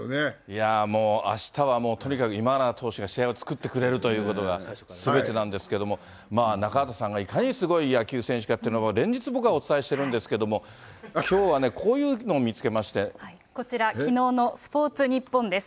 いや、もう、あしたはもう、とにかく今永投手が試合を作ってくれるということがすべてなんですけども、中畑さんがいかにすごい野球選手かというのを連日、僕はお伝えしているんですけれども、きょうはね、こちら、きのうのスポーツニッポンです。